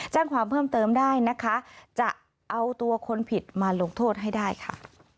แจ้งความเพิ่มเติมได้นะคะจะเอาตัวคนผิดมาลงโทษให้ได้ค่ะ